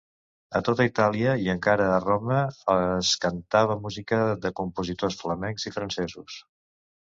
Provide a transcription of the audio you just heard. A tota Itàlia i encara a Roma es cantava música de compositors flamencs i francesos.